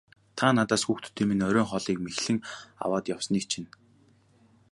Та надаас хүүхдүүдийн минь оройн хоолыг мэхлэн аваад явсныг чинь.